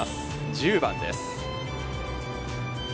１０番です。